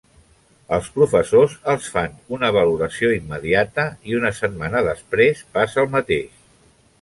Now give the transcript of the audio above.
Els professors els fan una valoració immediata i, una setmana després, passa el mateix.